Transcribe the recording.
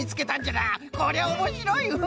こりゃおもしろいウフフ。